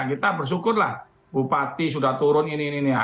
kita bersyukurlah bupati sudah turun ini ini